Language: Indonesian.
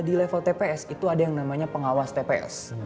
di level tps itu ada yang namanya pengawas tps